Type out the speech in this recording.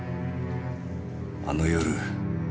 あの夜。